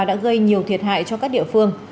đã gây nhiều thiệt hại cho các địa phương